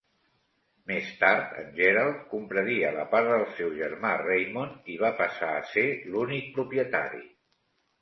Més tard, en Gerald compraria la part del seu germà Raymond i va passar a ser l"únic propietari.